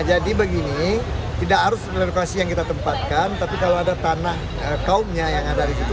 jadi begini tidak harus relokasi yang kita tempatkan tapi kalau ada tanah kaumnya yang ada di situ